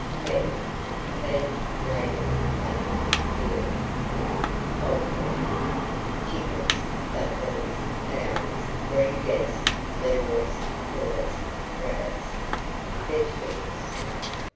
MEAT. Beef, lamb, mutton, veal. POULTRY. Chickens, ducklings, fowls, green geese, leverets, pullets, rabbits. VEGETABLES.